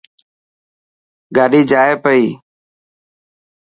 گاڏي جائي پئي.